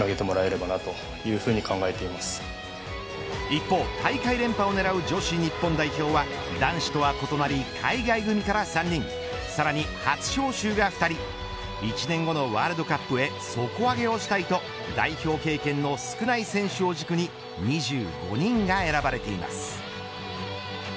一方、大会連覇をねらう女子日本代表は男子とは異なり、海外組から３人さらに初招集が２人１年後のワールドカップへ底上げをしたいと代表経験の少ない選手を軸に２５人が選ばれています。